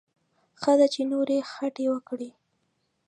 ښه ده چې نورې خټې وکړي.